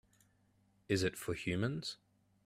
Is it for humans?